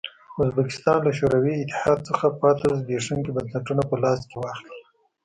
ازبکستان له شوروي اتحاد څخه پاتې زبېښونکي بنسټونه په لاس کې واخلي.